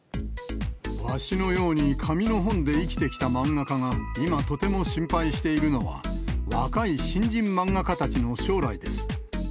わしのように紙の本で生きてきた漫画家が今とても心配しているのは、若い新人漫画家たちの将来です。